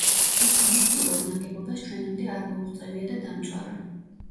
თუმცა მის პირველ ნაგებობას ჩვენამდე არ მოუღწევია და დამწვარა.